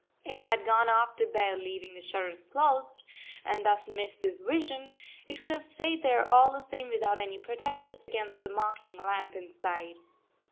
If I had gone off to bed leaving the shutters closed, and thus missed this vision, it would have stayed there all the same without any protest against the mocking lamp inside.